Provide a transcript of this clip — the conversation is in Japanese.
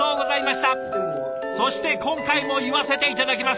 そして今回も言わせて頂きます。